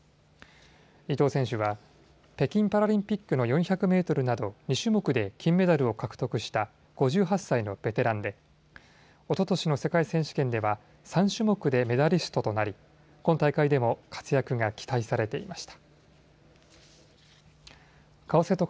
伊藤選手は北京オリンピックの４００メートルなど２種目で金メダルを獲得した５８歳のベテランでおととしの世界選手権では３種目でメダリストとなり今大会でも、活躍が期待されていました。